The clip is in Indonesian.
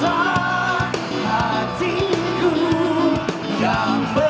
terangi rasa hatiku yang berbebu